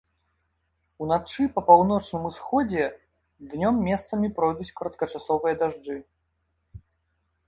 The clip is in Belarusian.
Уначы па паўночным усходзе, днём месцамі пройдуць кароткачасовыя дажджы.